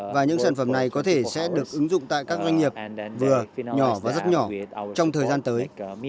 và những sản phẩm này có thể sẽ được ứng dụng tại các doanh nghiệp vừa nhỏ và rất nhỏ trong thời gian tới